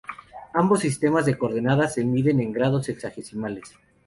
Ambos sistemas de coordenadas se miden en grados sexagesimales.